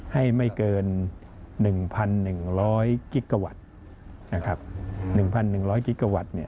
ให้ไม่เกิน๑๑๐๐กิกาวัตต์